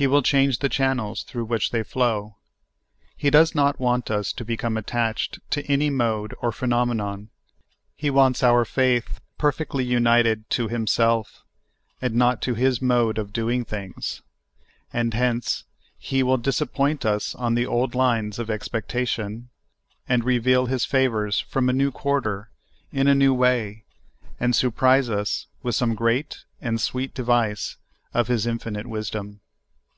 He will change the channels through which they flow. He does not want us to become attached to any mode or phenomenon. He wants our faith perfectly united to Himself, and not to His mode of doing things, and hence He will disap point us on the old lines of expectation, and reveal His favors from a new quarter, in a new way, and surprise us with some great and sweet device of His infinite wisdom.